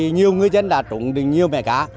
nhiều ngư dân đã trụng được nhiều mẻ cá